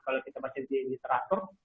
kalau kita masih di literatur